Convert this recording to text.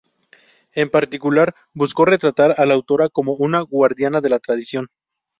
En particular, buscó retratar a la autora como "una guardiana de la tradición".